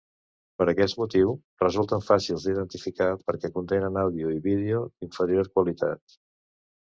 Per aquest motiu, resulten fàcils d'identificar perquè contenen àudio i vídeo d'inferior qualitat.